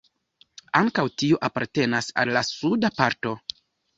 Ankaŭ tio apartenas al la suda parto.